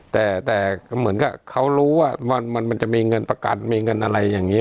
แต่เหมือนกับเขารู้ว่ามันจะมีเงินประกันมีเงินอะไรอย่างนี้